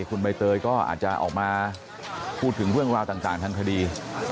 คุณใบเตยก็อาจจะออกมาพูดถึงเรื่องราวต่างทางคดี